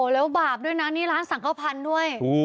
แล้วบาปด้วยนะนี่ร้านสังขพันธ์ด้วย